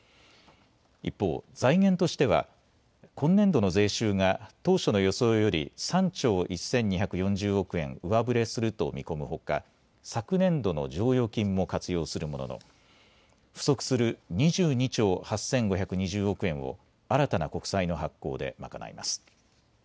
一方、財源としては今年度の税収が当初の予想より３兆１２４０億円上振れすると見込むほか、昨年度の剰余金も活用するものの不足する２２兆８５２０億円を新たな国債の発行で賄います。